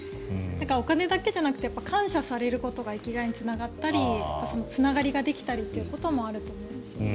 お金だけじゃなくて感謝されることが生きがいにつながったりつながりができたりっていうこともあると思いますよね。